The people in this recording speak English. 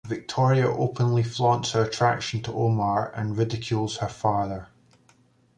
Victoria openly flaunts her attraction to Omar and ridicules her father.